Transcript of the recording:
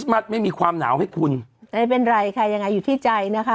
มัดไม่มีความหนาวให้คุณไม่เป็นไรค่ะยังไงอยู่ที่ใจนะคะ